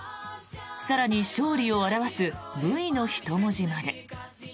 更に勝利を表す「Ｖ」の人文字まで。